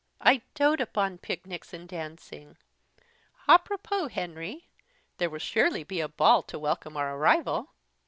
I doat upon picnics and dancing! àpropos, Henry, there will surely be a ball to welcome our arrival?"